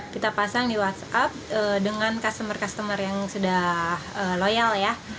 kita pasang di whatsapp dengan customer customer yang sudah loyal ya